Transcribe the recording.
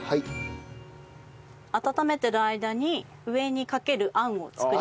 温めてる間に上にかける餡を作ります。